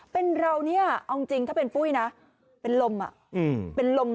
เป็นเรานี่เอาจริงถ้าเป็นปุ้ยนะเป็นลม